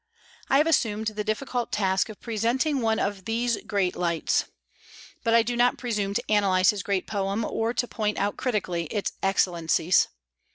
I have assumed the difficult task of presenting one of these great lights. But I do not presume to analyze his great poem, or to point out critically its excellencies.